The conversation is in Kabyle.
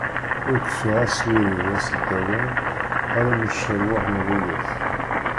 Ur kfiɣ aswir-iw aseddawan ḥala mi tt-cerweɣ merriɣet.